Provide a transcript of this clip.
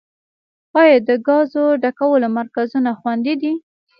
آیا د ګازو ډکولو مرکزونه خوندي دي؟